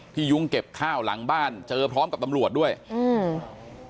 ยุ้งเก็บข้าวหลังบ้านเจอพร้อมกับตำรวจด้วยอืม